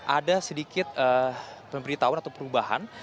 ada sedikit pemberitahuan atau perubahan